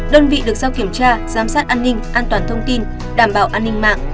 đơn vị được giao kiểm tra giám sát an ninh an toàn thông tin đảm bảo an ninh mạng